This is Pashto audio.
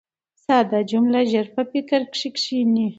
ساده جمله ژر په فکر کښي کښېني.